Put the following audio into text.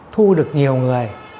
thu được nhiều người